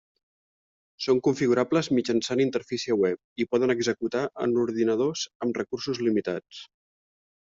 Són configurables mitjançant interfície web i poden executar en ordinadors amb recursos limitats.